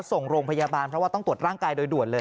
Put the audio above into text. ส่งโรงพยาบาลเพราะว่าต้องตรวจร่างกายโดยด่วนเลย